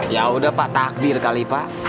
yaudah pak takdir kali pak